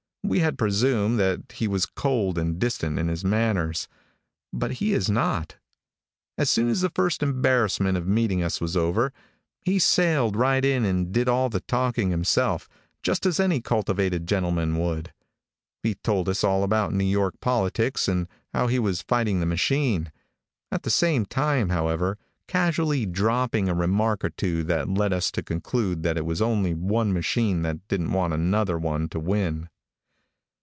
We had presumed that he was cold and distant in his manners, but he is not. As soon as the first embarrassment of meeting us was over, he sailed right in and did all the talking himself, just as any cultivated gentleman would. He told us all about New York politics and how he was fighting the machine, at the same time, however, casually dropping a remark or two that led us to conclude that it was only one machine that didn't want another one to win.